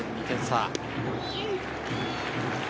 ２点差。